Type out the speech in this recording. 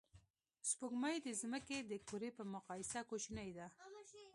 سپوږمۍ د ځمکې د کُرې په مقایسه کوچنۍ ده